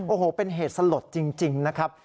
โอ้โหเป็นเหตุสลดจริงนะครับ